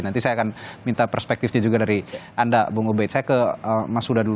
nanti saya akan minta perspektifnya juga dari anda bung ubed saya ke mas huda dulu